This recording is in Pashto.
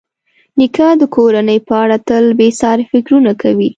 نیکه د کورنۍ په اړه تل بېساري فکرونه کوي.